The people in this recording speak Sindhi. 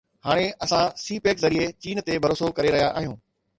هاڻي اسان سي پيڪ ذريعي چين تي ڀروسو ڪري رهيا آهيون